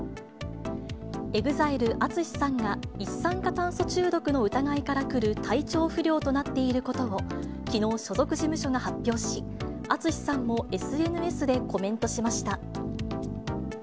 ＥＸＩＬＥ・ＡＴＳＵＳＨＩさんが、一酸化炭素中毒の疑いからくる体調不良となっていることを、きのう、所属事務所が発表し、ＡＴＳＵＳＨＩさんもＳＮＳでコメントしました。